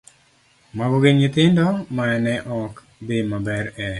Mago gin nyithindo ma ne ok dhi maber e